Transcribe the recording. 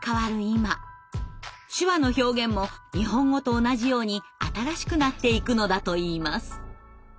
今手話の表現も日本語と同じように新しくなっていくのだといいます。